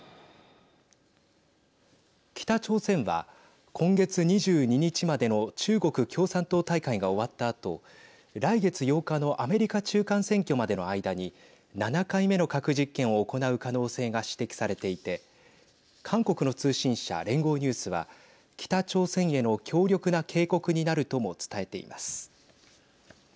北朝鮮は、今月２２日までの中国共産党大会が終わったあと来月８日のアメリカ中間選挙までの間に７回目の核実験を行う可能性が指摘されていて韓国の通信社連合ニュースは北朝鮮への強力な警告になるとも伝えています。